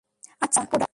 আচ্ছা, কোডা।